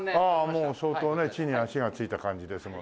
もう相当ね地に足が着いた感じですもんね。